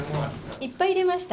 いっぱい入れました。